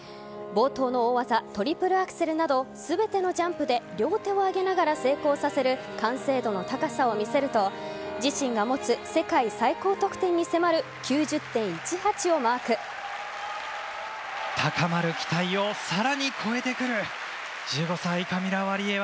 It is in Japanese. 冒頭の大技トリプルアクセルなど全てのジャンプで両手を上げながら成功させる完成度の高さを見せると自身が持つ世界最高得点に迫る高まる期待をさらに超えてくる。